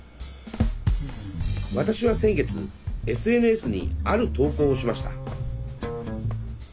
私は先月ＳＮＳにある投稿をしました。